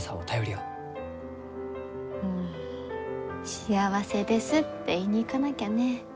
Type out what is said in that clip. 幸せですって言いに行かなきゃね。